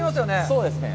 そうですね。